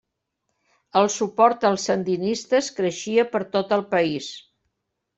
El suport als sandinistes creixia per tot el país.